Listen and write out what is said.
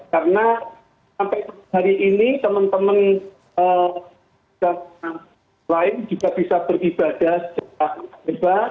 karena sampai hari ini teman teman lain juga bisa beribadah secepat mungkin